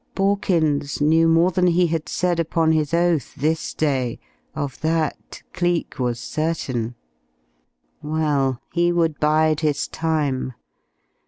Borkins knew more than he had said upon his oath this day; of that Cleek was certain. Well, he would bide his time.